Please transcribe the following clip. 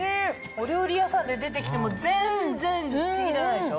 お料理屋さんで出てきても全然不思議じゃないでしょ。